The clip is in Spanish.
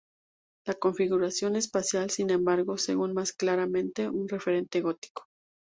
La configuración espacial, sin embargo, seguía más claramente un referente gótico.